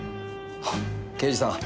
刑事さん